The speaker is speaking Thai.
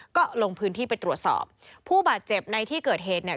ก็ลงพื้นที่ไปตรวจสอบผู้บาดเจ็บในที่เกิดเหตุเนี่ย